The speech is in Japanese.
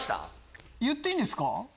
言っていいんですか？